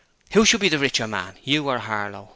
'Who would be the richer man, you or Harlow?'